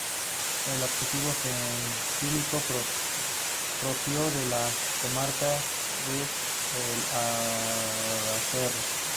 El adjetivo gentilicio propio de la comarca es alcarreño.